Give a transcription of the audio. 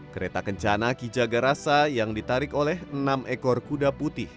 kereta kencana kijaga rasa yang ditarik oleh enam ekor kuda putih